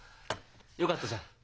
よかったじゃん。